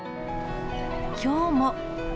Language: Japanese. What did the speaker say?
きょうも。